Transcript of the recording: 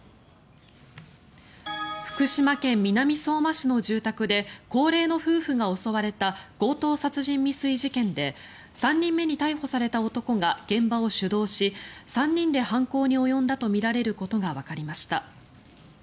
福島県南相馬市の住宅で高齢の夫婦が襲われた強盗殺人未遂事件で３人目に逮捕された男が現場を主導し３人で犯行に及んだとみられることがわかりました。